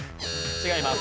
違います。